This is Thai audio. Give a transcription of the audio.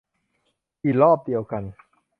อีหรอบเดียวกัน